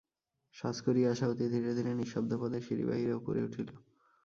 সাজ করিয়া আশা অতি ধীরে ধীরে নিঃশব্দপদে সিঁড়ি বাহিয়া উপরে উঠিল।